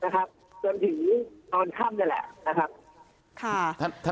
จนถึงตอนค่ำนั่นแหละ